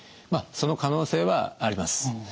まあその可能性はあります。